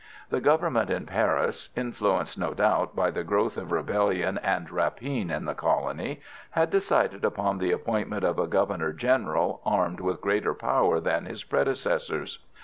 The Government in Paris, influenced, no doubt by the growth of rebellion and rapine in the colony, had decided upon the appointment of a Governor General armed with greater power than his predecessors.